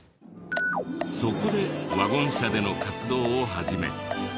そこでワゴン車での活動を始め。